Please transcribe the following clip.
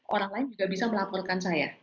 orang lain juga bisa melaporkan saya